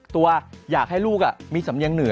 ตัวอยากให้ลูกมีสำเนียงเหนือ